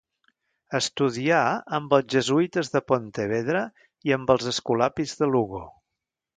Estudià amb els jesuïtes de Pontevedra i amb els escolapis de Lugo.